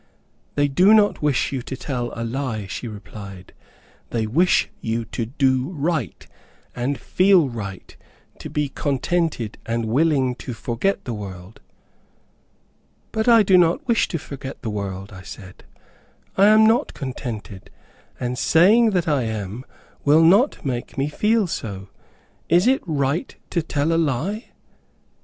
"They do not wish you to tell a lie," she replied; "they wish you to do right, and feel right; to be contented and willing to forget the world." "But I do not wish to forget the world," I said. "I am not contented, and saying that I am will not make me feel so. Is it right to tell a lie?"